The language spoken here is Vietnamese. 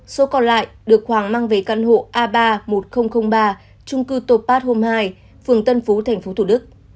số còn lại được hoàng mang về căn hộ a ba một nghìn ba trung cư tô pát hôm hai phường tân phú tp thủ đức